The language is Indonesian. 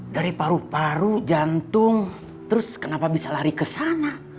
dari paru paru jantung terus kenapa bisa lari kesana